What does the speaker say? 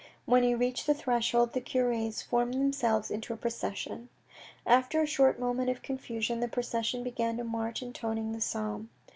When he reached the threshold, the cures formed themselves into a procession. After a short moment of confusion, the procession began to march intoning the psalm.